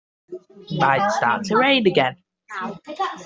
Might start to rain again.